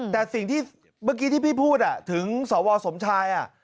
แต่สิ่งที่เมื่อกี้ที่พี่พูดถึงสวสมชาย